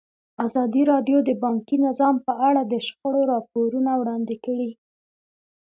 ازادي راډیو د بانکي نظام په اړه د شخړو راپورونه وړاندې کړي.